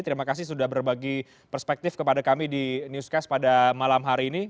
terima kasih sudah berbagi perspektif kepada kami di newscast pada malam hari ini